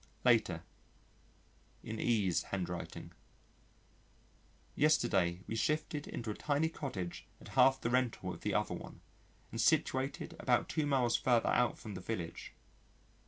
Later. (In E.'s handwriting.) Yesterday we shifted into a tiny cottage at half the rental of the other one, and situated about two miles further out from the village....